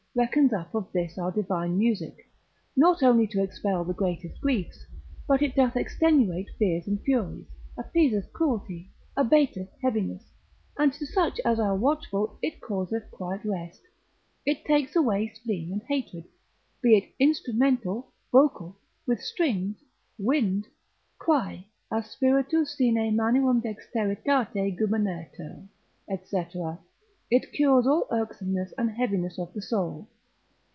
reckons up of this our divine music, not only to expel the greatest griefs, but it doth extenuate fears and furies, appeaseth cruelty, abateth heaviness, and to such as are watchful it causeth quiet rest; it takes away spleen and hatred, be it instrumental, vocal, with strings, wind, Quae, a spiritu, sine manuum dexteritate gubernetur, &c. it cures all irksomeness and heaviness of the soul.